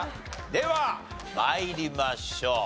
では参りましょう。